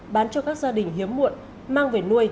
bán cho các gia đình hiếm muộn mang về nuôi